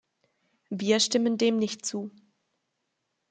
Wir stimmen dem nicht zu.